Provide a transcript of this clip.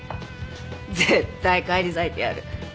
絶対返り咲いてやる。